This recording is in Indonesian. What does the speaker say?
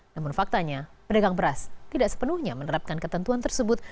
namun faktanya pedagang beras tidak sepenuhnya menerapkan ketentuan tersebut